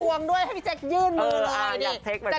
วงด้วยให้พี่แจ๊คยื่นมือเลยนี่